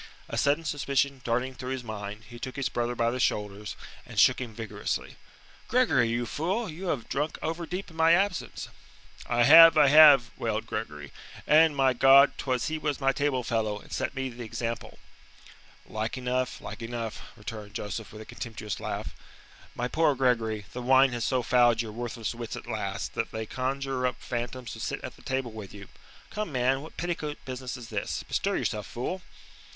A sudden suspicion darting through his mind, he took his brother by the shoulders and shook him vigorously. "Gregory, you fool, you have drunk overdeep in my absence." "I have, I have," wailed Gregory, "and, my God, 'twas he was my table fellow, and set me the example." "Like enough, like enough," returned Joseph, with a contemptuous laugh. "My poor Gregory, the wine has so fouled your worthless wits at last, that they conjure up phantoms to sit at the table with you. Come, man, what petticoat business is this? Bestir yourself, fool."